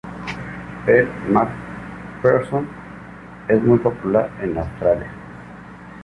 Elle Macpherson es muy popular en Australia.